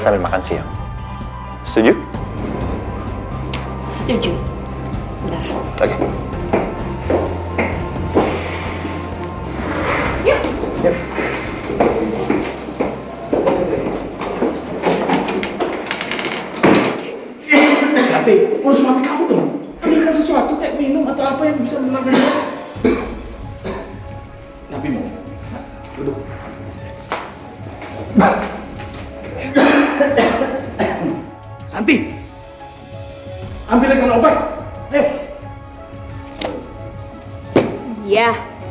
sampai jumpa di video selanjutnya